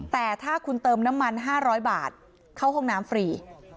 แต่ถ้าคุณเติมน้ำมัน๕๐๐บาทเข้าห้องน้ำฟรี